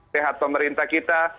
sehat pemerintah kita